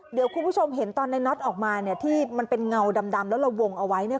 เดี๋ยวคุณผู้ชมเห็นตอนในน็อตออกมาเนี่ยที่มันเป็นเงาดำแล้วเราวงเอาไว้เนี่ย